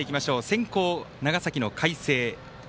先攻、長崎の海星。